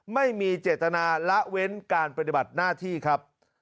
ไม่มีเจตนาละเว้นการปฏิบัติหน้าที่ครับ